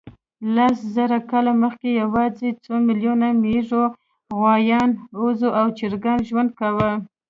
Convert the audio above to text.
لس زره کاله مخکې یواځې څو میلیونو مېږو، غویانو، اوزو او چرګانو ژوند کاوه.